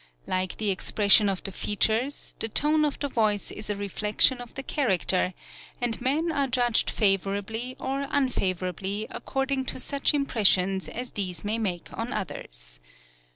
Like the expression of the features, the tone of the voice is a reflection of the character, and men are judged favorably or unfavorably according to such impressions as these may make on others.